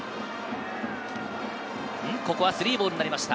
ここは３ボールになりました。